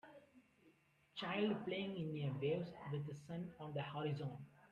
Child playing in waves with sun on the horizon.